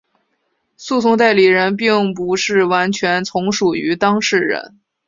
诉讼代理人并不是完全从属于当事人。